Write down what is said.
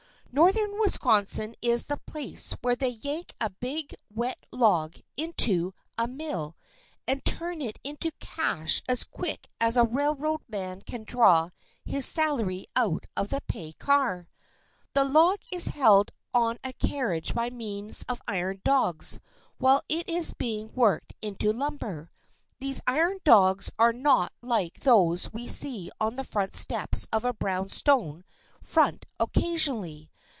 Northern Wisconsin is the place where they yank a big wet log into a mill and turn it into cash as quick as a railroad man can draw his salary out of the pay car. The log is held on a carriage by means of iron dogs while it is being worked into lumber. These iron dogs are not like those we see on the front steps of a brown stone front occasionally.